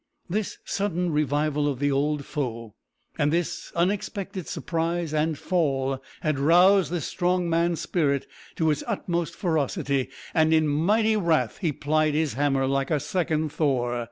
This sudden revival of the old foe, and this unexpected surprise and fall, had roused this strong man's spirit to its utmost ferocity, and in mighty wrath he plied his hammer like a second Thor.